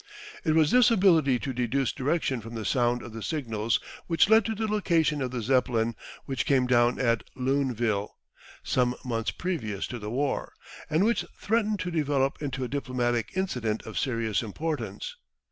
It was this ability to deduce direction from the sound of the signals which led to the location of the Zeppelin which came down at Luneville some months previous to the war, and which threatened to develop into a diplomatic incident of serious importance.